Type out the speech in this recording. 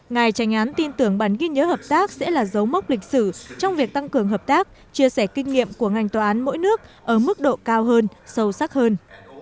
ngài tranh án tin tưởng bản ghi nhớ hợp tác sẽ là dấu mốc lịch sử trong việc tăng cường hợp tác chia sẻ kinh nghiệm của ngành tòa án mỗi nước ở mức độ cao hơn sâu sắc hơn